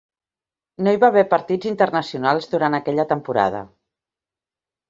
No hi va haver partits internacionals durant aquella temporada.